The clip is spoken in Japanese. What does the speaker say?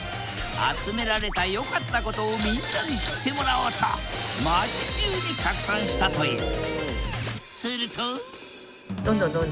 集められた良かったことをみんなに知ってもらおうと街じゅうに拡散したという。